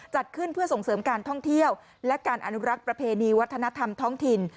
จัดขึ้นเพื่อส่งเสริมการท่องเที่ยวและการอนุรักษ์ประเพณีวัฒนธรรมท้องถิ่น